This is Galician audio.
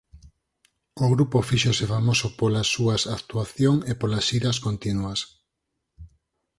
O grupo fíxose famoso polas súas actuación e polas xiras continuas.